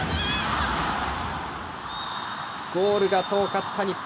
ゴールが遠かった日本。